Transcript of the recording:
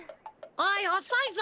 おいおそいぞ！